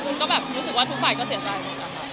คุณก็แบบรู้สึกว่าทุกฝ่ายก็เสียใจหมดนะคะ